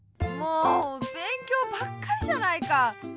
もうべんきょうばっかりじゃないか。